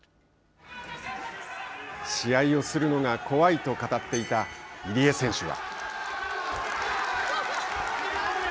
「試合をするのが怖い」と語っていた、入江選手は。